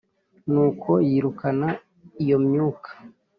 Nuko yirukana iyo myuka